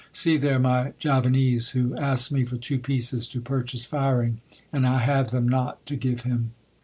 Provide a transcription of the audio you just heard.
See there my Javanese, who asks me for two pieces to purchase firing, and I have them not to give him."